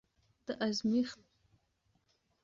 د ازمېت خلیج سپین رنګي دیوالونه یې ستایلي.